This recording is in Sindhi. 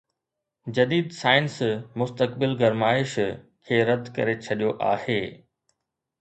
جديد سائنس مستقل گرمائش کي رد ڪري ڇڏيو آهي